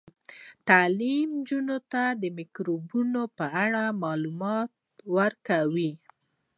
تعلیم نجونو ته د میکروبونو په اړه معلومات ورکوي.